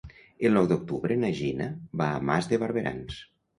El nou d'octubre na Gina va a Mas de Barberans.